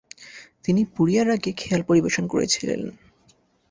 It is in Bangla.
তিনি পুরিয়া রাগে খেয়াল পরিবেশন করেছিলেন।